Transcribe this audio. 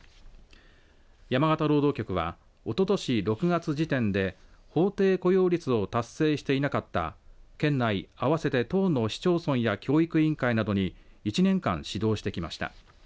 山形労働局はおととし６月時点で法定雇用率を達成していなかった県内合わせて１０の市町村や教育委員会などに１年間指導してきました。